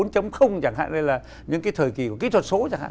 chẳng hạn như là những cái thời kỳ của kỹ thuật số chẳng hạn